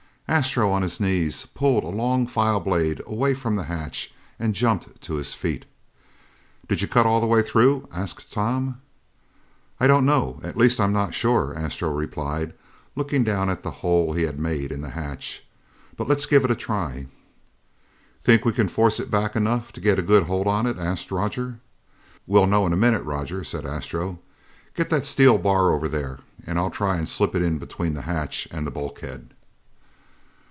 Astro, on his knees, pulled a long file blade away from the hatch and jumped to his feet. "Did you cut all the way through?" asked Tom. "I don't know at least I'm not sure," Astro replied, looking down at the hole he had made in the hatch. "But let's give it a try!" "Think we can force it back enough to get a good hold on it?" asked Roger. "We'll know in a minute, Roger," said Astro. "Get that steel bar over there and I'll try to slip it in between the hatch and the bulkhead."